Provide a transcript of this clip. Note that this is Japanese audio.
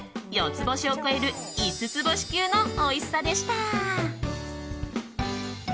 ４つ星を超える５つ星級のおいしさでした！